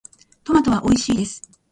トマトはおいしいです。